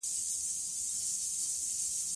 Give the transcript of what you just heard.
پابندي غرونه د افغان کورنیو د دودونو مهم عنصر دی.